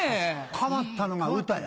変わったのが歌や。